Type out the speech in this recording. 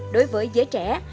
đối với giới trẻ